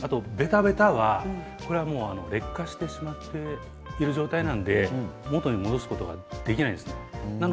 べたべたは劣化してしまっている状態なので元に戻すことができないんですね。